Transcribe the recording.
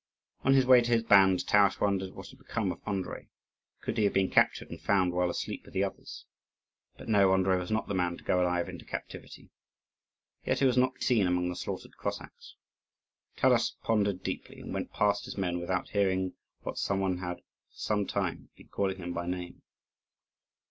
On his way to his band, Taras wondered what had become of Andrii; could he have been captured and found while asleep with the others? But no, Andrii was not the man to go alive into captivity. Yet he was not to be seen among the slaughtered Cossacks. Taras pondered deeply and went past his men without hearing that some one had for some time been calling him by name.